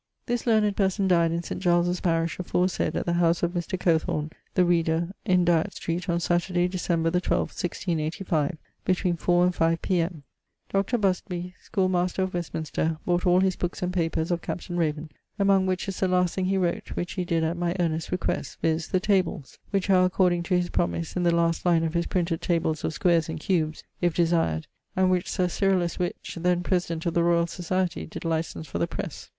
This learned person dyed in St. Giles' parish aforesaid at the house of Mr. Cothorne the reader in Dyot Street on Saterday December the twelfth 1685, between 4 and 5 P.M. Dr. Busby, schoolmaster of Westminster, bought all his bookes and papers of Captain Raven, among which is the last thing he wrote (which he did at my earnest request) viz. THE TABLES, which are according to his promise in the last line of his printed tables of squares and cubes (if desired) and which Sir Cyrillus Wych (then president of the Royall Society) did license for the press.